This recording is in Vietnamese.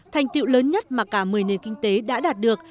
thành tiệu lớn nhất mà cả một mươi nền kinh tế đã đạt được